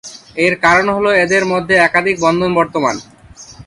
এর কারণ হল এদের মধ্যে একাধিক বন্ধন বর্তমান।